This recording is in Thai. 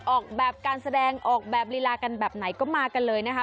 ออกแบบการแสดงออกแบบลีลากันแบบไหนก็มากันเลยนะคะ